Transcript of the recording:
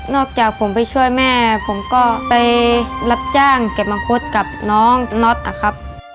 จากผมไปช่วยแม่ผมก็ไปรับจ้างเก็บมังคุดกับน้องน็อตนะครับ